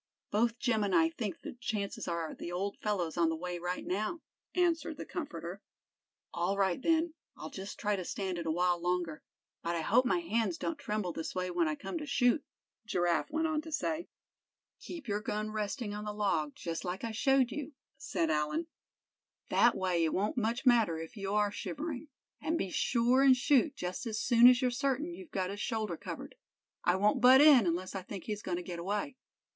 "Both Jim and I think the chances are the old fellow's on the way right now," answered the comforter. "All right, then, I'll just try to stand it a while longer; but I hope my hands don't tremble this way when I come to shoot," Giraffe went on to say. "Keep your gun resting on the log, just like I showed you," said Allan. "That way it won't much matter if you are shivering. And be sure and shoot just as soon as you're certain you've got his shoulder covered. I won't butt in unless I think he's going to get away.